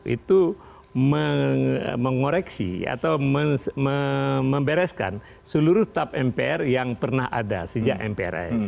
itu mengoreksi atau membereskan seluruh tap mpr yang pernah ada sejak mprs